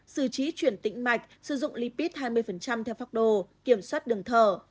xử trí chuyển tĩnh mạch sử dụng lipid hai mươi theo pháp đồ kiểm soát đường thở